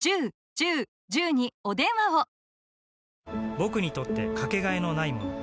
僕にとってかけがえのないもの